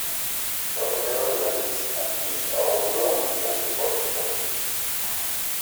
"Trocadero" lettuce and peas are also grown, mostly for export.